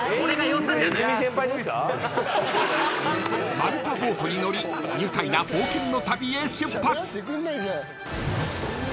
［丸太ボートに乗り愉快な冒険の旅へ出発］